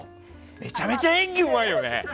めちゃめちゃ演技うまいよね！